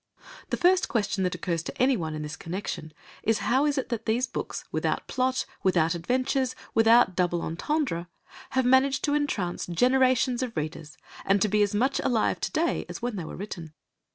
The first question that occurs to anyone in this connection is how is it that these books, without plot, without adventures, without double entendre, have managed to entrance generations of readers, and to be as much alive to day as when they were written?